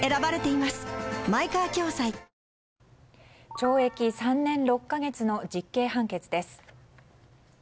懲役３年６か月の実刑判決です。